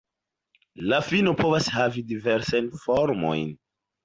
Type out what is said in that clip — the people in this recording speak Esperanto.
La fino povas havi diversajn formojn.